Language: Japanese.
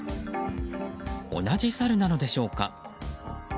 同じサルなのでしょうか。